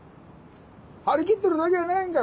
張り切っとるだけやないんか。